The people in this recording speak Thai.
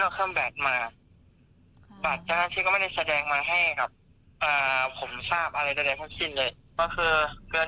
แต่จากซอยอะไรไปเลย